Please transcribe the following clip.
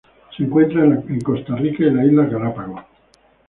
Se encuentra en Costa Rica y las Islas Galápagos.